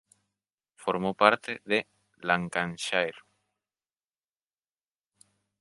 Formó parte de Lancashire.